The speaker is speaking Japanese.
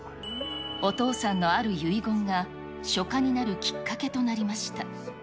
お父さんのある遺言が、書家になるきっかけとなりました。